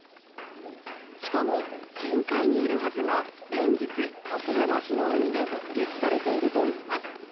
しかも深海にいるはずが、連日、館山市の海で目撃されているといいます。